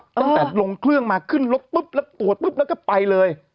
ตั้งแต่ลงเครื่องมาขึ้นรถปุ๊บแล้วตรวจปุ๊บแล้วก็ไปเลย